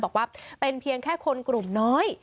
บอกว่าเป็นเพียงแค่คนกลุ่มน้อย